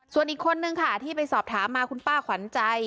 ส่วนอีกคนนึงค่ะที่ไปสอบถามมาคุณป้าขวัญใจ